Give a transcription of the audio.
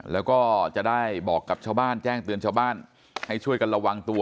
แล้วก็จะได้บอกกับชาวบ้านแจ้งเตือนชาวบ้านให้ช่วยกันระวังตัว